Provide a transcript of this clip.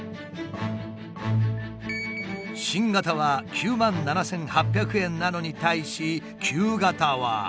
新型は９万７，８００円なのに対し旧型は。